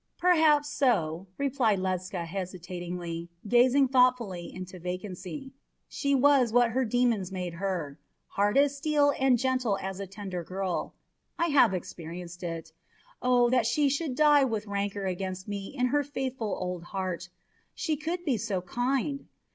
"Perhaps so," replied Ledscha hesitatingly, gazing thoughtfully into vacancy. "She was what her demons made her. Hard as steel and gentle as a tender girl. I have experienced it. Oh, that she should die with rancour against me in her faithful old heart! She could be so kind!